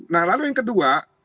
nah lalu yang kedua